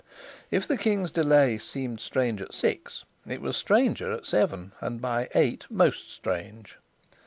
If the king's delay seemed strange at six, it was stranger at seven, and by eight most strange.